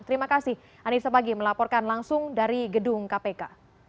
terima kasih anissa pagi melaporkan langsung dari gedung kpk